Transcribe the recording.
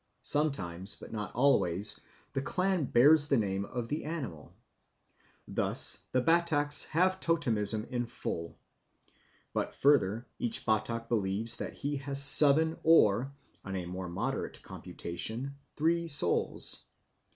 Sometimes, but not always, the clan bears the name of the animal. Thus the Bataks have totemism in full. But, further, each Batak believes that he has seven or, on a more moderate computation, three souls.